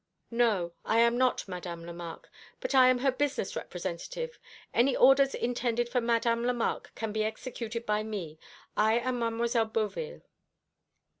"No, I am not Madame Lemarque, but I am her business representative. Any orders intended for Madame Lemarque can be executed by me. I am Mademoiselle Beauville."